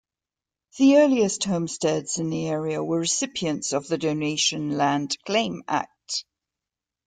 The earliest homesteads in the area were recipients of the Donation Land Claim Act.